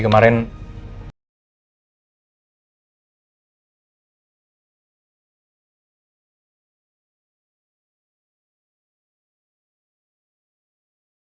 masih belum stabil